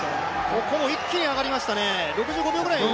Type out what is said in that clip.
ここも一気に上がりましたね、６５秒ぐらい。